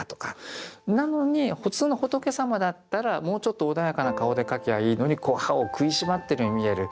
なのに普通の仏様だったらもうちょっと穏やかな顔で描きゃいいのに歯を食いしばってるように見える。